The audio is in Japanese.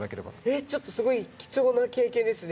えっちょっとすごい貴重な経験ですね。